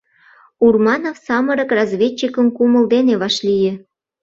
Урманов самырык разведчикым кумыл дене вашлие.